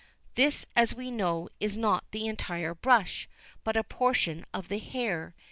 This, as we know, is not the entire brush, but a portion of the hair.